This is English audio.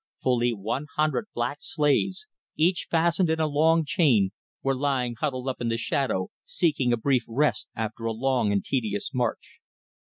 Fully one hundred black slaves, each fastened in a long chain, were lying huddled up in the shadow, seeking a brief rest after a long and tedious march.